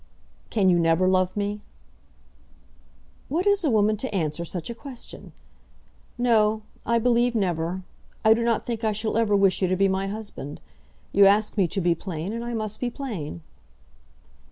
"Can you never love me?" "What is a woman to answer to such a question? No; I believe never. I do not think I shall ever wish you to be my husband. You ask me to be plain, and I must be plain."